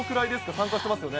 参加してますよね。